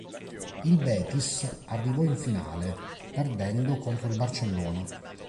Il Betis arrivò in finale, perdendo contro il Barcellona.